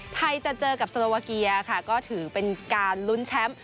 ไทยจะเจอกับโซโลวาเกียค่ะก็ถือเป็นการลุ้นแชมป์